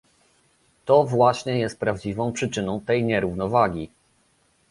To właśnie jest prawdziwą przyczyną tej nierównowagi